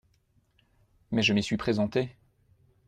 Mais je m’y suis présenté.